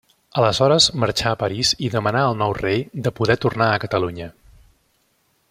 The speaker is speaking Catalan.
Aleshores marxà a París i demanà al nou rei de poder tornar a Catalunya.